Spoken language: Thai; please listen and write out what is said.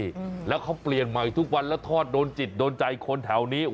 อืมแล้วเขาเปลี่ยนใหม่ทุกวันแล้วทอดโดนจิตโดนใจคนแถวนี้